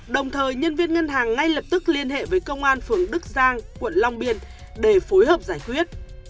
đồng thời nhân viên ngân hàng ngay lập tức liên hệ với công an phường đức giang quận long biên để phối hợp giải quyết